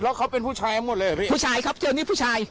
แล้วเขาเป็นผู้ชายหมดเลยเหรอพี่ผู้ชายครับเจอนี่ผู้ชาย